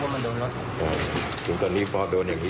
คือตั้งใจยิงออกยิงออกทั้งหมด